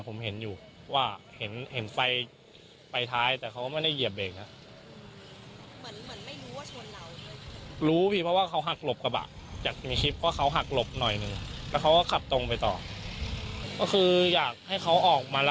คือเราเดือดร้อนใช่ไหม